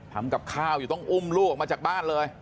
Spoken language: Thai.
ทำกับข้าวอยู่ต้องอุ้มลูกออกมาจากบ้านเลย